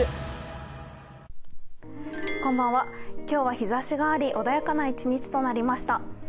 今日は日ざしがあり穏やかな一日となりました。